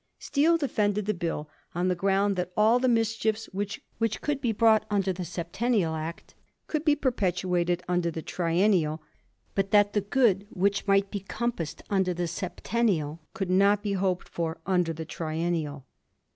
Steele defended the Bill on the ground that all the mischiefs which could be brought under the Septennial Act could be perpetrated under the Triennial, but that the good which might be com passed under the Septennial could not be hoped for under the Triennial.